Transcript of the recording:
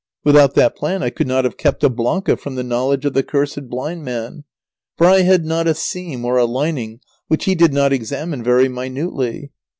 Without that plan I could not have kept a blanca from the knowledge of the cursed blind man, for I had not a seam or a lining which he did not examine very minutely.